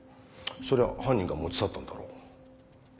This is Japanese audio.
そりゃ犯人が持ち去ったんだろ。